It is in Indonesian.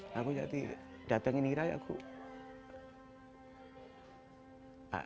lebih dari pertoparan ujung sekolah harmonia